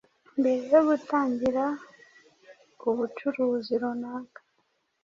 Mbere yo gutangira ubucuruzi runaka